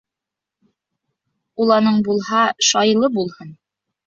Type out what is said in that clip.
Уланың булһа, шайлы булһын.